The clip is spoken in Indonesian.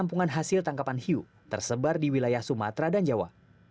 penampungan hasil tangkapan hiu tersebar di wilayah sumatera dan jawa